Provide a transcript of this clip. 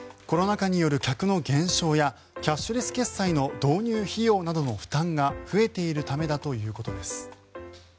コロナ禍による客の減少やキャッシュレス決済の導入費用などの負担が増えているためだということです。